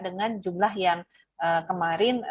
dengan jumlah yang kemarin